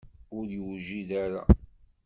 Ur yewjid ara.